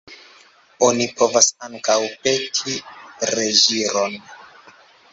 Oni povas ankaŭ peti reĝiron.